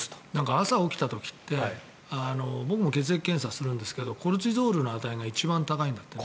朝、起きた時って僕も血液検査するんですけどコルチゾールの値が一番高いんだって。